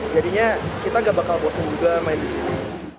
jadinya kita gak bakal bosen juga main di sini